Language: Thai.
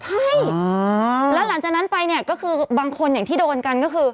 ใช่แล้วหลังจากนั้นไปเนี่ยก็คือบางคนอย่างที่โดนกันก็คือ